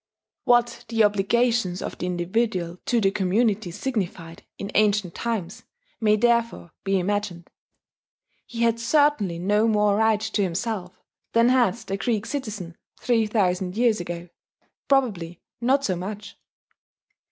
What the obligations of the individual to the community signified in ancient times may therefore be imagined. He had certainly no more right to himself than had the Greek citizen three thousand years ago, probably not so much.